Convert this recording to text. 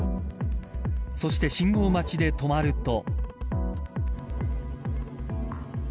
そして、信号待ちで止まると。